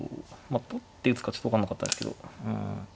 まあ取って打つかちょっと分かんなかったんですけど。